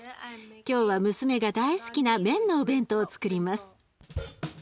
今日は娘が大好きな麺のお弁当をつくります。